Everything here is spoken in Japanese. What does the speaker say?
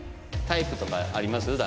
タイプとかあります？